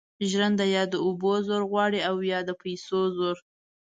ژرنده یا د اوبو زور غواړي او یا د پیسو زور.